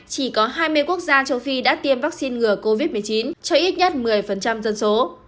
chỉ có hai mươi quốc gia châu phi đã tiêm vaccine ngừa covid một mươi chín cho ít nhất một mươi dân số